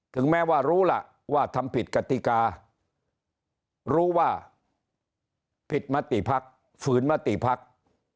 ถึงแม้ว่ารู้ล่ะว่าทำผิดกติการู้ว่าผิดมติภักดิ์ฝืนมติภักดิ์